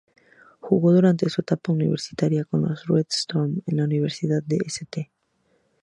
Jugó durante su etapa universitaria con los "Red Storm" de la Universidad de St.